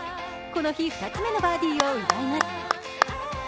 この日２つ目のバーディーを奪います。